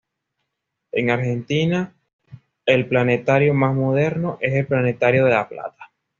En Argentina el planetario más moderno es el Planetario de La Plata.